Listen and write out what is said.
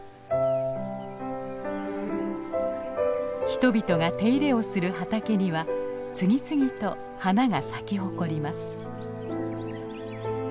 人々が手入れをする畑には次々と花が咲き誇ります。